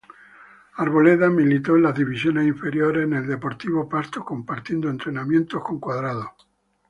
Arboleda militó en las divisiones inferiores en el Deportivo Pasto Compartiendo entrenamientos con Cuadrado.